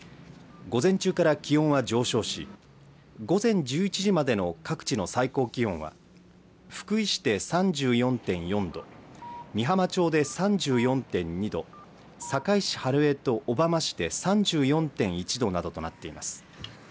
午前中から気温は上昇し午前１１時までの各地の最高気温は福井市で３４．４度美浜町で３４．２度坂井市春江と小浜市で３４．１度などとなっています。